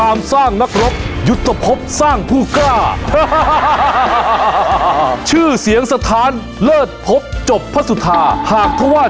ฮาฮาฮาฮาฮาฮาฮาฮาฮาฮาชื่อเสียงสถานเลิศพบจบพระสุทา